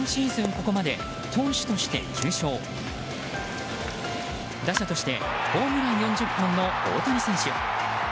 ここまで投手として９勝打者としてホームラン４０本の大谷選手。